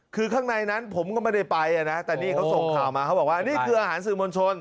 คือข้างในนั้นผมก็ไม่ได้ไปนะแต่นี่เขาส่งข่าวมาเขาบอกว่านี่คืออาหารสื่อมวลชน